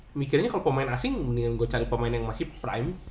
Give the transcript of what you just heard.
mikirnya kalau pemain asing mendingan gue cari pemain yang masih prime